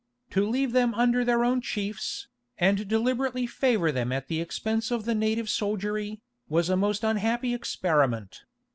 To leave them under their own chiefs, and deliberately favour them at the expense of the native soldiery, was a most unhappy experiment.